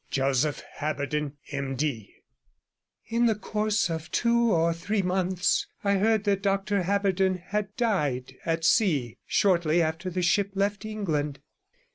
JOSEPH HABERDEN, M.D. In the course of two or three months I heard that Dr Haberden had died at sea shortly after the ship left England.